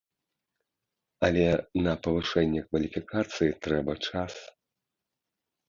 Але на павышэнне кваліфікацыі трэба час.